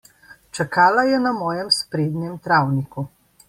Čakala je na mojem sprednjem travniku.